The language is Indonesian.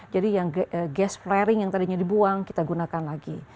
jadi gas flaring yang tadinya dibuang kita gunakan lagi